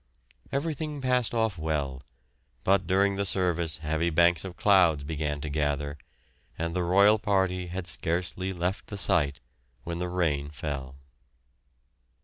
Everything passed off well, but during the service heavy banks of clouds began to gather, and the royal party had scarcely left the site when the rain fell.